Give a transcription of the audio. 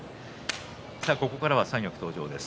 ここから三役登場です。